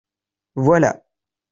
Voilà